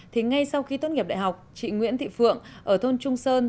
thì ngay sau khi tốt nghiệp đại học chị nguyễn thị phượng ở thôn trung sơn